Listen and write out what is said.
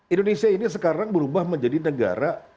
indonesia ini sekarang berubah menjadi negara